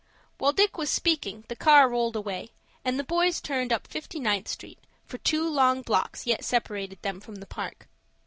While Dick was speaking, the car rolled away, and the boys turned up Fifty ninth Street, for two long blocks yet separated them from the Park.